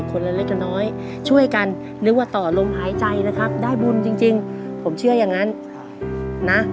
คนละเล็กละน้อยช่วยกันนึกว่าต่อลมหายใจนะครับได้บุญจริงผมเชื่ออย่างนั้นนะ